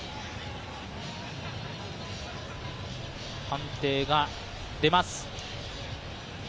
判定が出ます。